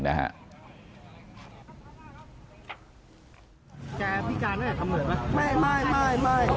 แกพิการแล้วทำเหมือนไหม